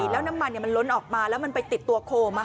แล้วน้ำมันมันล้นออกมาแล้วมันไปติดตัวโคม